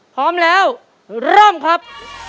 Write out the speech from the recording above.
พร้อมแล้วเริ่มครับ